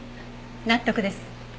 納得です。